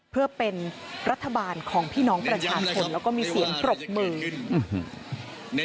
เพื่อเป็นรัฐบาลของพี่น้องประชาชนแล้วก็มีเสียงปรบมือ